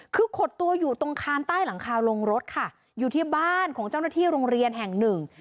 คือขดตัวอยู่ตรงคานใต้หลังคาลงรถค่ะอยู่ที่บ้านของเจ้าหน้าที่โรงเรียนแห่งหนึ่ง